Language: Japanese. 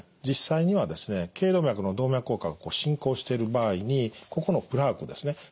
実際にはですね頸動脈の動脈硬化が進行している場合にここのプラークですね